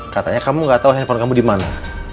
katanya kamu gak tau handphone kamu dimana